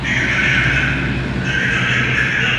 د لونګ زوی انارګل ته زېری راوړ.